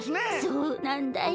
そうなんだよ。